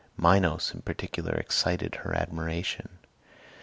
Minos, in particular, excited her admiration.